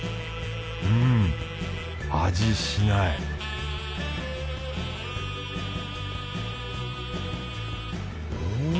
うん味しないうん。